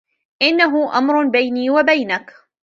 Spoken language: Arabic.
إنّه أمر بيني و بينكِ.